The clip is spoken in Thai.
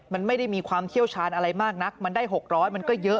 มันไม่ได้มีความเชี่ยวชาญอะไรมากนักมันได้๖๐๐มันก็เยอะ